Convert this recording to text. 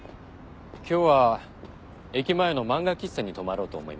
今日は駅前の漫画喫茶に泊まろうと思います。